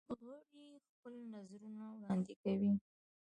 غړي خپل نظرونه وړاندې کوي.